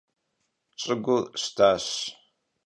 Ş'ıgur ştaş.